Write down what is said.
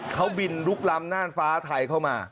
เขาบินลุกล้ำน่านฟ้าไทยเข้ามา